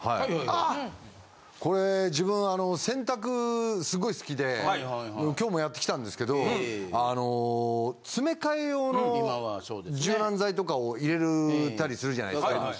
これ自分あの洗濯すごい好きで今日もやって来たんですけどあの。とかを入れたりするじゃないですか。